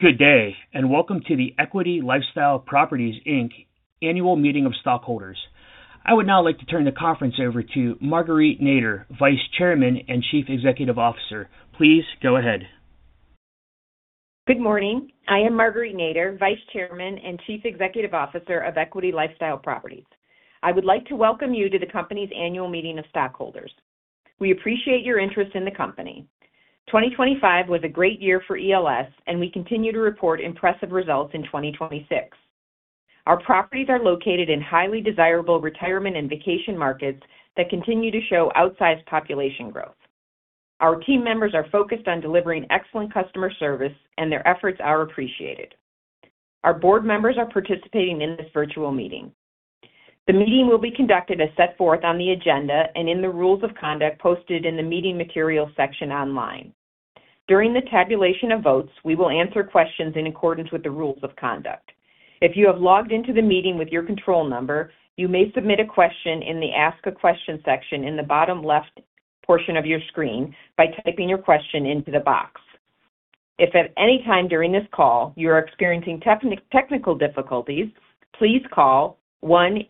Good day, welcome to the Equity LifeStyle Properties, Inc. annual meeting of stockholders. I would now like to turn the conference over to Marguerite Nader, Vice Chairman and Chief Executive Officer. Please go ahead. Good morning. I am Marguerite Nader, Vice Chairman and Chief Executive Officer of Equity LifeStyle Properties, Inc. I would like to welcome you to the company's annual meeting of stockholders. We appreciate your interest in the company. 2025 was a great year for ELS, and we continue to report impressive results in 2026. Our properties are located in highly desirable retirement and vacation markets that continue to show outsized population growth. Our team members are focused on delivering excellent customer service, and their efforts are appreciated. Our board members are participating in this virtual meeting. The meeting will be conducted as set forth on the agenda and in the rules of conduct posted in the meeting materials section online. During the tabulation of votes, we will answer questions in accordance with the rules of conduct. If you have logged into the meeting with your control number, you may submit a question in the Ask a Question section in the bottom left portion of your screen by typing your question into the box. If at any time during this call you are experiencing technical difficulties, please call 1-844-986-0822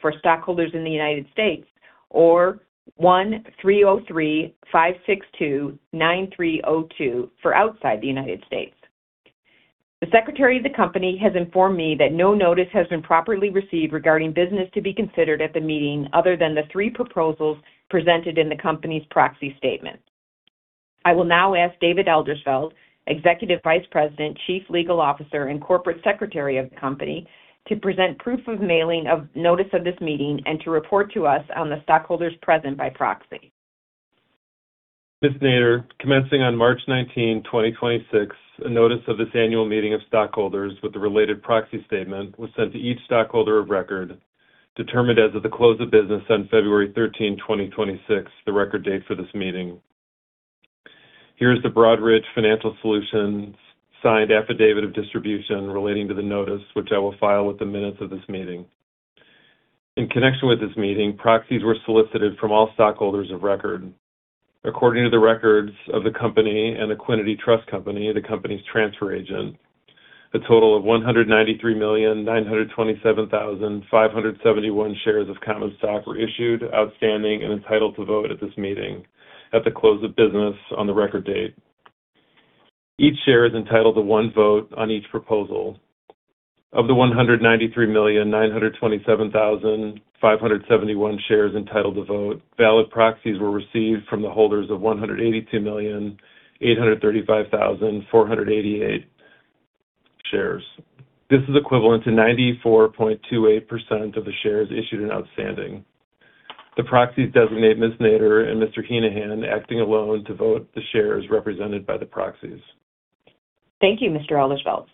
for stockholders in the United States, or 1-303-562-9302 for outside the United States. The Secretary of the Company has informed me that no notice has been properly received regarding business to be considered at the meeting other than the three proposals presented in the company's proxy statement. I will now ask David Eldersveld, Executive Vice President, Chief Legal Officer, and Corporate Secretary of the company, to present proof of mailing of notice of this meeting and to report to us on the stockholders present by proxy. Ms. Nader, commencing on March 19, 2026, a notice of this annual meeting of stockholders with the related proxy statement was sent to each stockholder of record determined as of the close of business on February 13, 2026, the record date for this meeting. Here's the Broadridge Financial Solutions signed affidavit of distribution relating to the notice, which I will file with the minutes of this meeting. In connection with this meeting, proxies were solicited from all stockholders of record. According to the records of the company and the Computershare Trust Company, the company's transfer agent, a total of 193,927,571 shares of common stock were issued, outstanding, and entitled to vote at this meeting at the close of business on the record date. Each share is entitled to one vote on each proposal. Of the 193,927,571 shares entitled to vote, valid proxies were received from the holders of 182,835,488 shares. This is equivalent to 94.28% of the shares issued and outstanding. The proxies designate Ms. Nader and Mr. Heneghan acting alone to vote the shares represented by the proxies. Thank you, Mr. Eldersveld.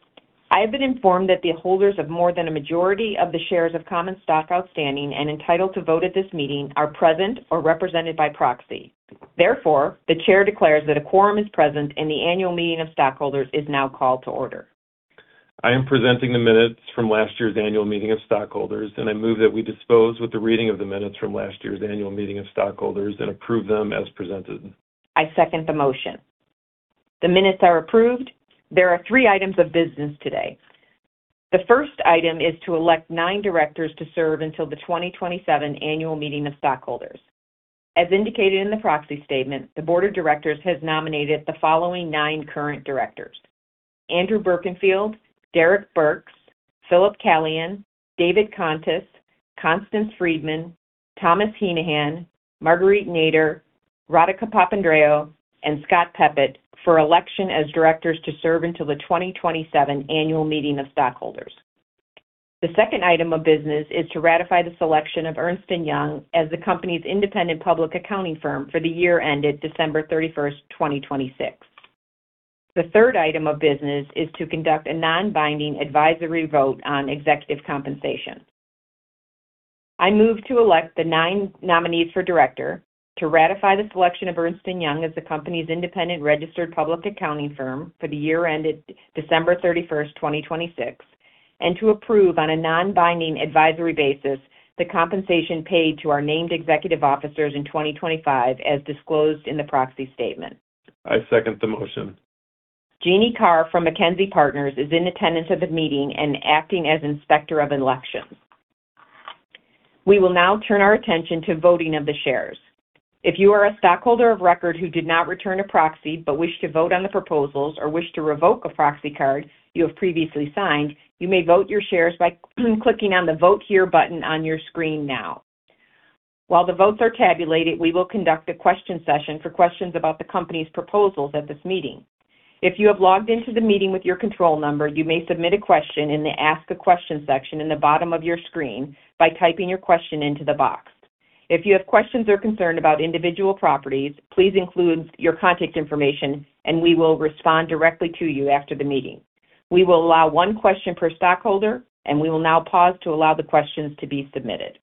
I have been informed that the holders of more than a majority of the shares of common stock outstanding and entitled to vote at this meeting are present or represented by proxy. Therefore, the Chair declares that a quorum is present, and the annual meeting of stockholders is now called to order. I am presenting the minutes from last year's annual meeting of stockholders, and I move that we dispose with the reading of the minutes from last year's annual meeting of stockholders and approve them as presented. I second the motion. The minutes are approved. There are three items of business today. The first item is to elect nine directors to serve until the 2027 annual meeting of stockholders. As indicated in the proxy statement, the board of directors has nominated the following nine current directors: Andrew Berkenfield, Derrick Burks, Philip Calian, David Contis, Constance Freedman, Thomas Heneghan, Marguerite Nader, Radhika Papandreou, and Scott Peppet for election as directors to serve until the 2027 annual meeting of stockholders. The second item of business is to ratify the selection of Ernst & Young as the company's independent public accounting firm for the year ended December 31, 2026. The third item of business is to conduct a non-binding advisory vote on executive compensation. I move to elect the nine nominees for director to ratify the selection of Ernst & Young as the company's independent registered public accounting firm for the year ended December 31st, 2026, and to approve, on a non-binding advisory basis, the compensation paid to our named executive officers in 2025 as disclosed in the proxy statement. I second the motion. Jeanne Carr from MacKenzie Partners is in attendance of the meeting and acting as inspector of elections. We will now turn our attention to voting of the shares. If you are a stockholder of record who did not return a proxy but wish to vote on the proposals or wish to revoke a proxy card you have previously signed, you may vote your shares by clicking on the Vote Here button on your screen now. While the votes are tabulated, we will conduct a question session for questions about the company's proposals at this meeting. If you have logged into the meeting with your control number, you may submit a question in the Ask a Question section in the bottom of your screen by typing your question into the box. If you have questions or concern about individual properties, please include your contact information, and we will respond directly to you after the meeting. We will allow one question per stockholder, and we will now pause to allow the questions to be submitted.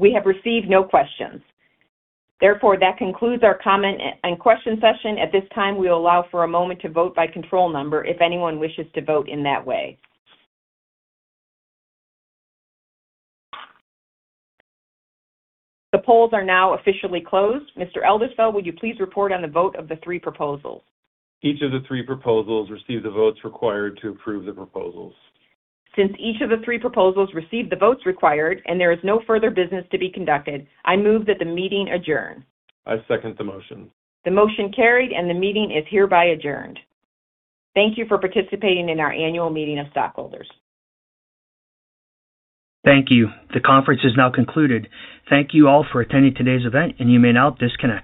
We have received no questions. Therefore, that concludes our comment and question session. At this time, we will allow for a moment to vote by control number if anyone wishes to vote in that way. The polls are now officially closed. Mr. Eldersveld, would you please report on the vote of the three proposals? Each of the three proposals received the votes required to approve the proposals. Since each of the three proposals received the votes required and there is no further business to be conducted, I move that the meeting adjourn. I second the motion. The motion carried, and the meeting is hereby adjourned. Thank you for participating in our annual meeting of stockholders. Thank you. The conference is now concluded. Thank you all for attending today's event. You may now disconnect.